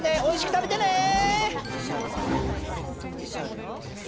おいしく食べてね！